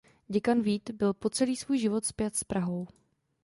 Děkan Vít byl po celý svůj život spjat s Prahou.